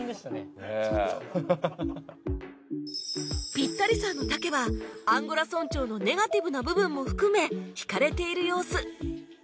ピッタリさんの茸はアンゴラ村長のネガティブな部分も含め惹かれている様子